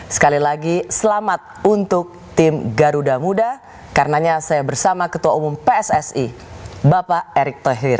sekali lagi selamat untuk tim garuda muda karenanya saya bersama ketua umum pssi bapak erick thohir